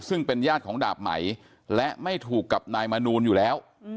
ซึ่งเป็นญาติของดาบไหมและไม่ถูกกับนายมนูลอยู่แล้ว